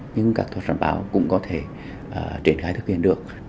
nhưng các thuật sản báo cũng có thể triển khai thực hiện được